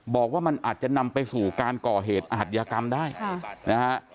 บอกว่ามันอาจจะนำไปสู่การก่อเหตุอัธยากรรมได้นะฮะ